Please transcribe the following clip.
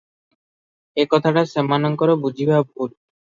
ଏକଥାଟା ସେମାନଙ୍କର ବୁଝିବା ଭୁଲ ।